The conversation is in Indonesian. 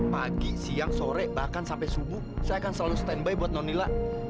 pagi siang sore bahkan sampai subuh saya akan selalu standby buat nonila